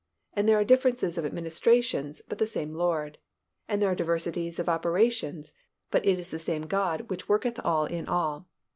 And there are differences of administrations, but the same Lord. And there are diversities of operations, but it is the same God which worketh all in all.